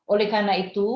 oleh karena itu